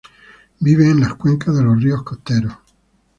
Vive en las cuencas de los ríos costeros.